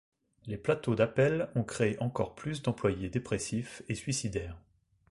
Les plateaux d'appel ont créé encore plus d'employés dépressifs et suicidaires.